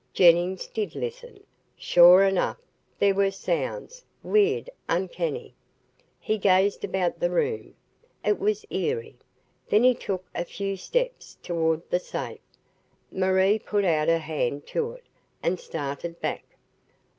Jennings did listen. Sure enough, there were sounds, weird, uncanny. He gazed about the room. It was eerie. Then he took a few steps toward the safe. Marie put out her hand to it, and started back.